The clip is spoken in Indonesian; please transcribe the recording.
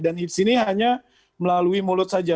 dan di sini hanya melalui mulut saja